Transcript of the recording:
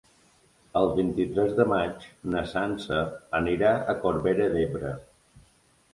El vint-i-tres de maig na Sança anirà a Corbera d'Ebre.